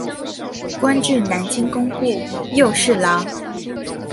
官至南京工部右侍郎。